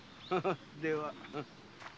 では。